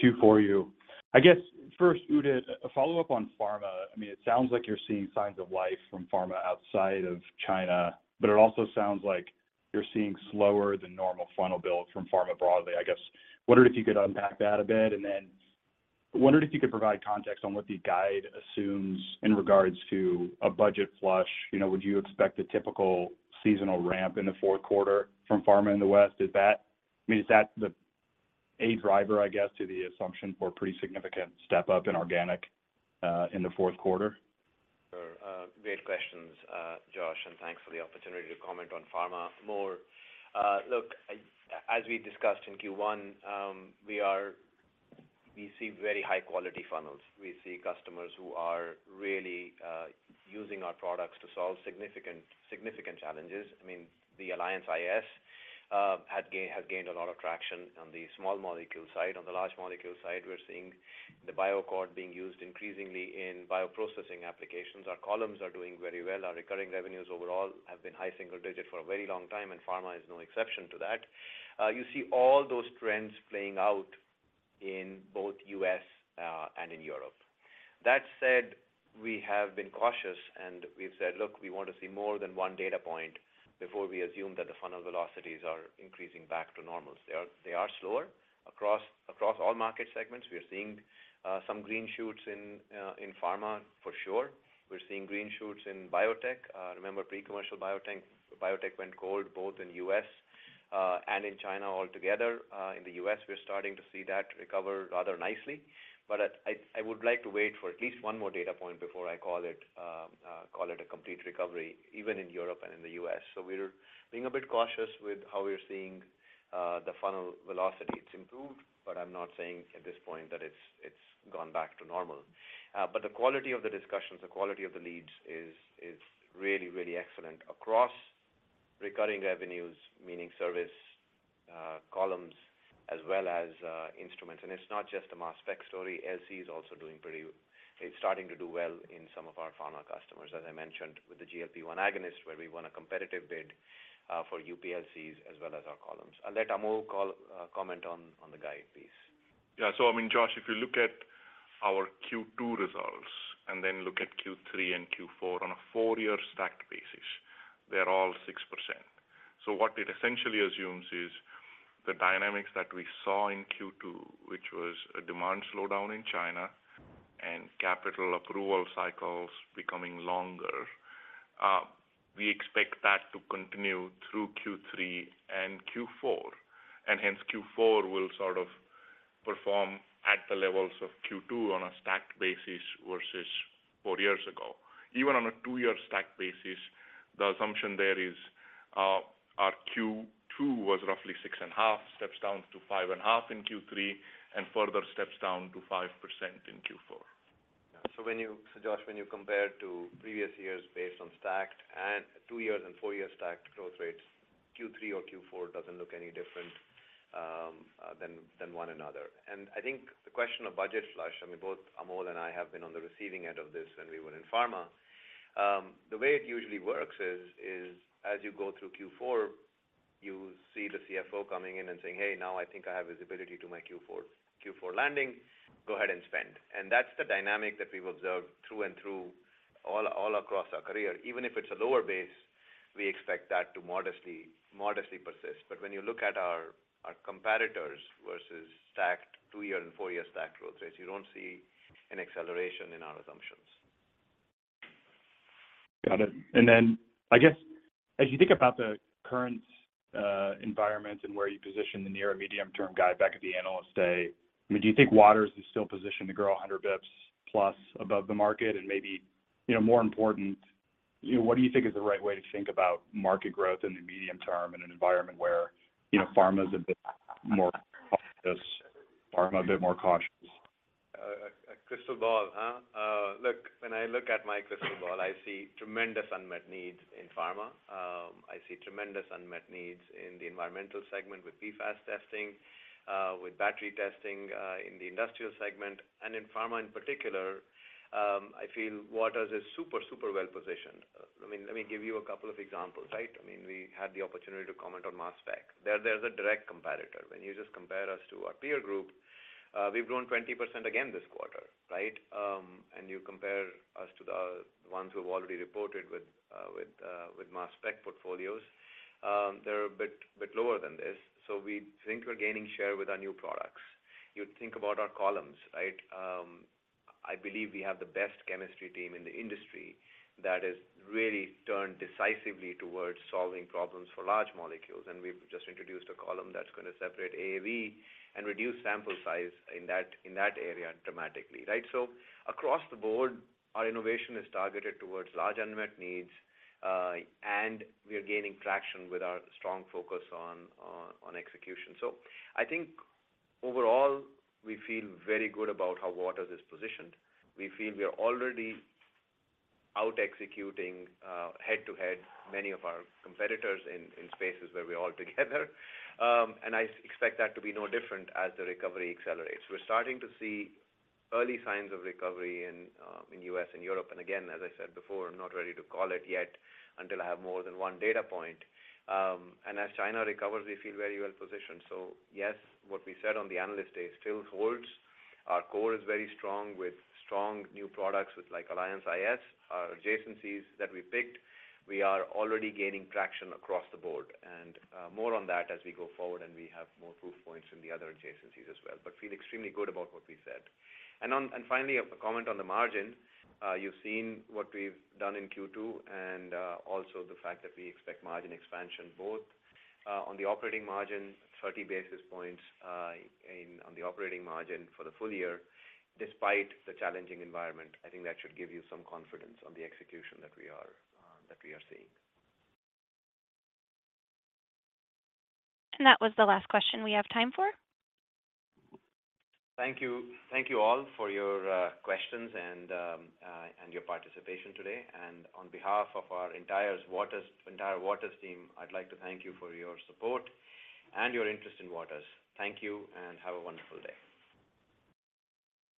Two for you. I guess, first, Udit, a follow-up on pharma. I mean, it sounds like you're seeing signs of life from pharma outside of China, but it also sounds like you're seeing slower than normal funnel builds from pharma broadly. I guess, wondered if you could unpack that a bit, and then wondered if you could provide context on what the guide assumes in regards to a budget flush. You know, would you expect a typical seasonal ramp in the fourth quarter from pharma in the West? I mean, is that a driver, I guess, to the assumption for a pretty significant step up in organic in the fourth quarter? Sure. Great questions, Josh, and thanks for the opportunity to comment on pharma more. Look, as we discussed in Q1, we see very high-quality funnels. We see customers who are really using our products to solve significant, significant challenges. I mean, the Alliance iS has gained a lot of traction on the small molecule side. On the large molecule side, we're seeing the BioAccord being used increasingly in bioprocessing applications. Our columns are doing very well. Our recurring revenues overall have been high single digit for a very long time, and pharma is no exception to that. You see all those trends playing out in both U.S. and in Europe. That said, we have been cautious, we've said, Look, we want to see more than one data point before we assume that the funnel velocities are increasing back to normal." They are, they are slower across, across all market segments. We are seeing some green shoots in pharma, for sure. We're seeing green shoots in biotech. Remember, pre-commercial biotech, biotech went cold, both in U.S. and in China altogether. In the U.S., we're starting to see that recover rather nicely, I would like to wait for at least one more data point before I call it a complete recovery, even in Europe and in the U.S. We're being a bit cautious with how we're seeing the funnel velocity. It's improved, I'm not saying at this point that it's, it's gone back to normal. The quality of the discussions, the quality of the leads is, is really, really excellent across recurring revenues, meaning service, columns, as well as, instruments. It's not just a mass spec story. LC is also doing, it's starting to do well in some of our pharma customers, as I mentioned, with the GLP-1 agonist, where we won a competitive bid, for UPLCs as well as our columns. I'll let Amol call, comment on, on the guide, please. Yeah. I mean, Josh, if you look at our Q2 results, and then look at Q3 and Q4 on a four-year stacked basis, they're all 6%. What it essentially assumes is the dynamics that we saw in Q2, which was a demand slowdown in China- Regulatory approval cycles becoming longer, we expect that to continue through Q3 and Q4. Hence, Q4 will sort of perform at the levels of Q2 on a stacked basis versus four years ago. Even on a two-year stacked basis, the assumption there is, our Q2 was roughly 6.5%, steps down to 5.5% in Q3, and further steps down to 5% in Q4. So Josh, when you compare to previous years based on stacked and two years and four years stacked growth rates, Q3 or Q4 doesn't look any different, than one another. I think the question of budget flush, I mean, both Amol and I have been on the receiving end of this when we were in pharma. The way it usually works is, is as you go through Q4, you see the CFO coming in and saying, "Hey, now I think I have visibility to my Q4, Q4 landing. Go ahead and spend." That's the dynamic that we've observed through and through all, all across our career. Even if it's a lower base, we expect that to modestly, modestly persist. When you look at our, our competitors versus stacked 2-year and 4-year stacked growth rates, you don't see an acceleration in our assumptions. Got it. Then, I guess, as you think about the current environment and where you position the near and medium-term guide back at the Analyst Day, I mean, do you think Waters is still positioned to grow 100 Bps plus above the market? Maybe, you know, more important, you know, what do you think is the right way to think about market growth in the medium term, in an environment where, you know, pharma is a bit more cautious, pharma a bit more cautious? A crystal ball, huh? Look, when I look at my crystal ball, I see tremendous unmet needs in pharma. I see tremendous unmet needs in the environmental segment with PFAS testing, with battery testing, in the Industrial segment. And in pharma, in particular, I feel Waters is super, super well positioned. I mean, let me give you a couple of examples, right? I mean, we had the opportunity to comment on mass spec. There, there's a direct competitor. When you just compare us to our peer group, we've grown 20% again this quarter, right? And you compare us to the, the ones who have already reported with, with mass spec portfolios, they're a bit, bit lower than this. So we think we're gaining share with our new products. You think about our columns, right? I believe we have the best chemistry team in the industry that has really turned decisively towards solving problems for large molecules, and we've just introduced a column that's going to separate AAV and reduce sample size in that, in that area dramatically, right? Across the board, our innovation is targeted towards large unmet needs, and we are gaining traction with our strong focus on, on, on execution. I think overall, we feel very good about how Waters is positioned. We feel we are already out-executing, head-to-head, many of our competitors in, in spaces where we're all together. I expect that to be no different as the recovery accelerates. We're starting to see early signs of recovery in U.S. and Europe. Again, as I said before, I'm not ready to call it yet until I have more than one data point. As China recovers, we feel very well positioned. Yes, what we said on the Analyst Day still holds. Our core is very strong, with strong new products, with like Alliance iS, our adjacencies that we picked, we are already gaining traction across the board, and more on that as we go forward and we have more proof points in the other adjacencies as well, but feel extremely good about what we said. Finally, a comment on the margin. You've seen what we've done in Q2, and also the fact that we expect margin expansion, both on the operating margin, 30 basis points in on the operating margin for the full-year, despite the challenging environment. I think that should give you some confidence on the execution that we are that we are seeing. That was the last question we have time for. Thank you. Thank you all for your questions and your participation today. On behalf of our entire Waters, entire Waters team, I'd like to thank you for your support and your interest in Waters. Thank you, and have a wonderful day.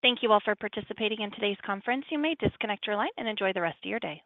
Thank you all for participating in today's conference. You may disconnect your line and enjoy the rest of your day.